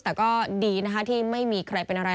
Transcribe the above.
แต่ก็ดีนะคะที่ไม่มีใครเป็นอะไร